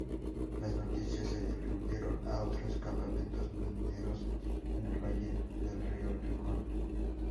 Las noticias se difundieron a otros campamentos mineros en el valle del río Yukón.